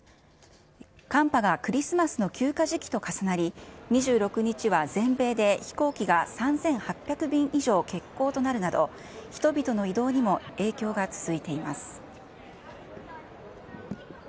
寒波がクリスマスの休暇時期と重なり、２６日は全米で飛行機が３８００便以上欠航となるなど、人々の移動にも影響が続いています。